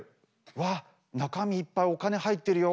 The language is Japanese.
わあ中身いっぱいお金入ってるよ